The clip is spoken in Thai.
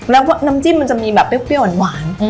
แล้วน้ำจิ้มมันจะมีแบบเปรี้ยวหวาน